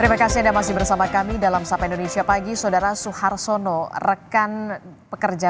terima kasih anda masih bersama kami dalam sapa indonesia pagi saudara suharsono rekan pekerja